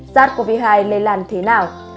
sars cov hai lây làn thế nào